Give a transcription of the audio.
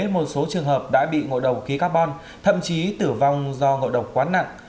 một số trường hợp đã bị ngộ độc khí carbon thậm chí tử vong do ngộ độc quá nặng